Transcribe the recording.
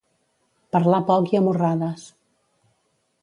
Parlar poc i a morrades.